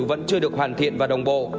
vẫn chưa được hoàn thiện và đồng bộ